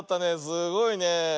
すごいねえ。